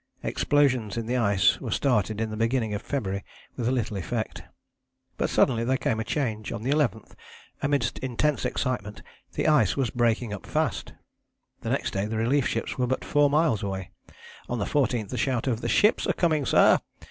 Explosions in the ice were started in the beginning of February with little effect. But suddenly there came a change, and on the 11th, amidst intense excitement, the ice was breaking up fast. The next day the relief ships were but four miles away. On the 14th a shout of "The ships are coming, sir!"